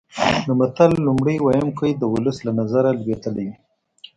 د متل لومړی ویونکی د ولس له نظره لوېدلی وي